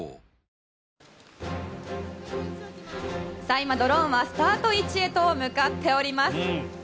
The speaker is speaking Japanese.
今ドローンはスタート位置へと向かっております。